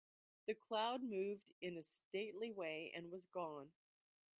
The cloud moved in a stately way and was gone.